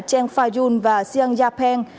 cheng faiyun và xiang yapeng